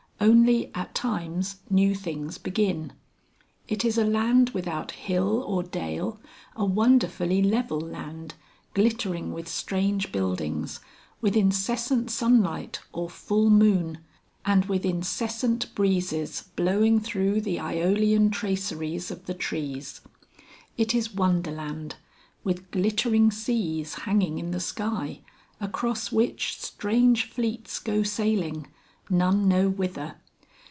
Only at times new things begin. It is a land without hill or dale, a wonderfully level land, glittering with strange buildings, with incessant sunlight or full moon, and with incessant breezes blowing through the Æolian traceries of the trees. It is Wonderland, with glittering seas hanging in the sky, across which strange fleets go sailing, none know whither.